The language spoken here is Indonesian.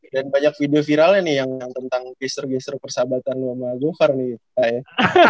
dan banyak video viralnya nih yang tentang gister gister persahabatan lu sama gokar nih